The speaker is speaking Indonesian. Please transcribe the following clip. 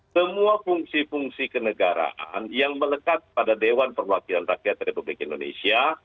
semua fungsi fungsi kenegaraan yang melekat pada dewan perwakilan rakyat republik indonesia